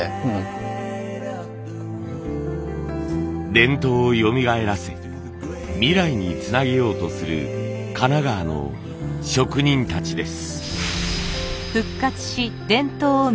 伝統をよみがえらせ未来につなげようとする神奈川の職人たちです。